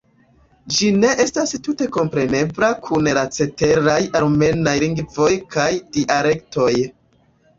Ĝi ne estas tute komprenebla kun la ceteraj armenaj lingvoj kaj dialektoj.